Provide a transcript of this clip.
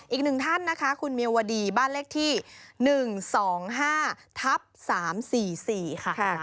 อีกหนึ่งท่านนะคะคุณเมียวดีบ้านเลขที่๑๒๕ทับ๓๔๔ค่ะ